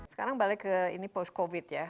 sekarang balik ke ini post covid ya